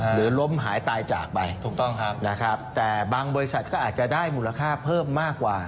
ล้มหายตายจากไปถูกต้องครับนะครับแต่บางบริษัทก็อาจจะได้มูลค่าเพิ่มมากกว่า